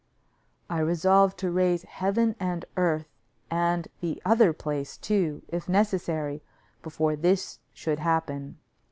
I resolved to raise heaven and earth, and the other place, too, if necessary, before this should happen.